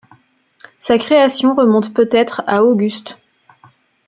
Sa création remonte peut-être à Auguste.